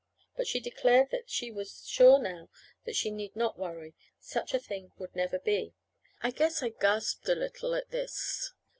But she declared that she was sure now that she need not worry. Such a thing would never be. I guess I gasped a little at this.